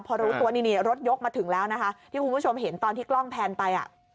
พอรถยกมาถึงแล้วที่คุณผู้ชมเห็นตอนที่กล้องแพนไป